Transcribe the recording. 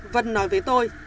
vân nói với tôi